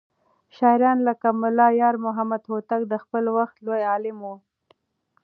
شاعران لکه ملا يارمحمد هوتک د خپل وخت لوى عالم و.